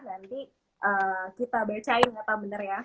nanti kita bacain kata bener ya